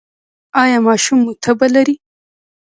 ایا ماشوم مو تبه لري؟